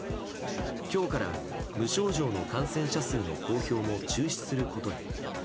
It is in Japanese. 今日から無症状の感染者数の公表も中止することに。